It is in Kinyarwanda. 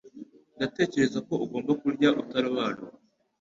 Ndatekereza ko ugomba kurya utarobanura.